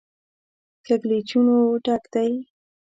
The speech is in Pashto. کږلېچونو ډک دی.